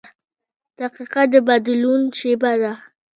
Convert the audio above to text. • دقیقه د بدلون شیبه ده.